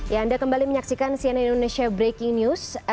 ya anda kembali menyaksikan cnn indonesia breaking news